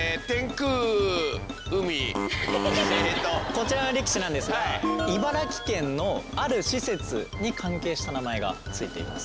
こちらの力士なんですが茨城県のある施設に関係した名前が付いています。